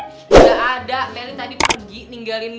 nggak ada meli tadi pergi ninggalin gue